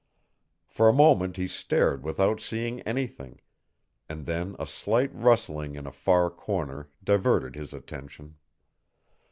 For a moment he stared without seeing anything, and then a slight rustling in a far corner diverted his attention.